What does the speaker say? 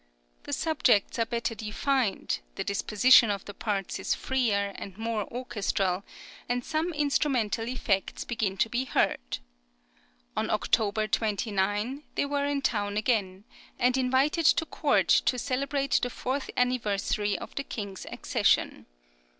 The subjects are better defined, the disposition of the parts is freer and more orchestral, and some instrumental effects {LONDON, 1764 65.} (41) begin to be heard. On October 29, they were in town again, and invited to court to celebrate the fourth anniversary of the King's accession.